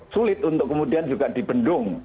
sulit untuk kemudian juga dibendung